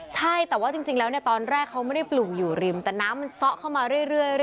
ใช่แต่ว่าจริงแล้วเนี่ยตอนแรกเขาไม่ได้ปลูกอยู่ริมแต่น้ำมันซ่อเข้ามาเรื่อย